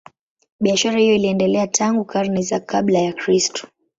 Biashara hiyo iliendelea tangu karne za kabla ya Kristo.